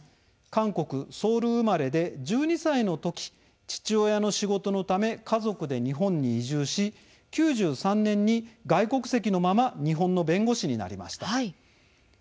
韓国・ソウル生まれで１２歳の時、父親の仕事のため家族で日本に移住し９３年に、外国籍のまま日本の弁護士になりました。